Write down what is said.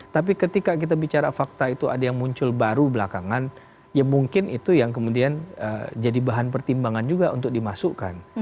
tapi ketika kita bicara fakta itu ada yang muncul baru belakangan ya mungkin itu yang kemudian jadi bahan pertimbangan juga untuk dimasukkan